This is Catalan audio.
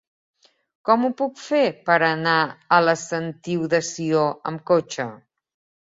Com ho puc fer per anar a la Sentiu de Sió amb cotxe?